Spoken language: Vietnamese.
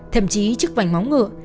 thậm chí trước vành móng ngựa